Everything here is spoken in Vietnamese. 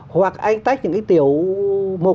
hoặc anh tách những cái tiểu một